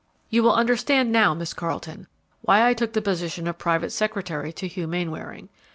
"You will understand now, Miss Carleton, why I took the position of private secretary to Hugh Mainwaring.